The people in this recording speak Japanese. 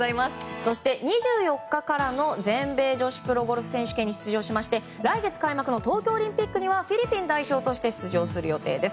そして２４日からの全米女子プロゴルフ選手権に出場しまして、来月開幕の東京オリンピックにはフィリピン代表として出場する予定です。